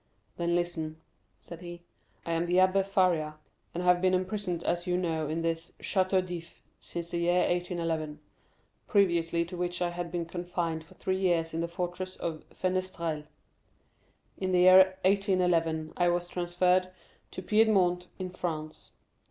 "Then listen," said he. "I am the Abbé Faria, and have been imprisoned as you know in this Château d'If since the year 1811; previously to which I had been confined for three years in the fortress of Fenestrelle. In the year 1811 I was transferred to Piedmont in France.